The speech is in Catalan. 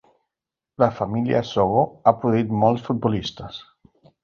La família Songo'o ha produïts molts futbolistes.